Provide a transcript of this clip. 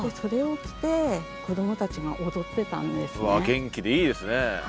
元気でいいですね。